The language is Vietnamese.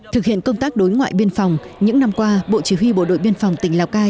thực hiện công tác đối ngoại biên phòng những năm qua bộ chỉ huy bộ đội biên phòng tỉnh lào cai